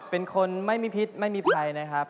เป็นคนไม่มีพิษไม่มีภัยนะครับ